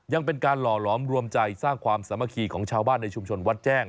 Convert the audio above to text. ยังเป็นการหล่อหลอมรวมใจสร้างความสามัคคีของชาวบ้านในชุมชนวัดแจ้ง